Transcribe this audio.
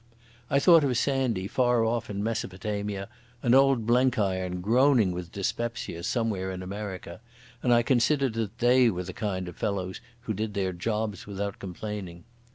I thought of Sandy far off in Mesopotamia, and old Blenkiron groaning with dyspepsia somewhere in America, and I considered that they were the kind of fellows who did their jobs without complaining.